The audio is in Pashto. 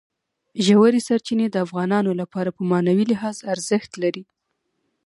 ژورې سرچینې د افغانانو لپاره په معنوي لحاظ ارزښت لري.